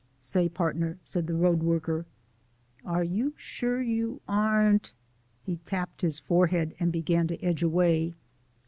"Say, partner," said the road worker, "are you sure you aren't " He tapped his forehead and began to edge away.